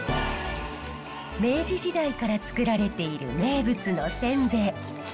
明治時代からつくられている名物のせんべい。